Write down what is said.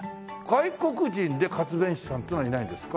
外国人で活弁士さんっていうのはいないんですか？